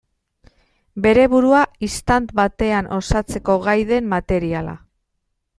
Bere burua istant batean osatzeko gai den materiala.